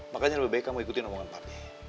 makanya lebih baik kamu ikutin omongan partai